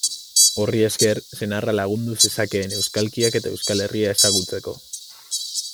Horri esker, senarra lagundu zezakeen euskalkiak eta Euskal Herria ezagutzeko.